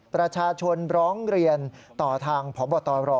ประชาชนร้องเรียนต่อทางพบตร